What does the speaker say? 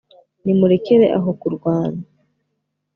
nimurekere aho kurwana